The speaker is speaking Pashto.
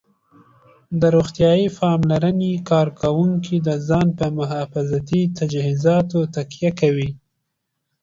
د روغتیا پاملرنې کارکوونکي د ځان په محافظتي تجهیزاتو تکیه کوي